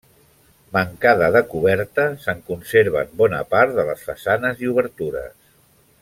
Mancada de coberta, se'n conserven bona part de les façanes i obertures.